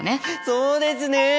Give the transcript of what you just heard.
そうですね！